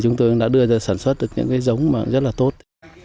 chúng tôi đã đưa ra sản xuất những giống rất là tốt